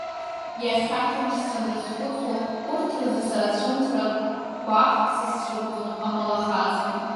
Иахьа ҭынч санрызхәыцуа урҭ рзы сара цәымӷрак, гәаӷк сызцәырҵуам амалахазгьы.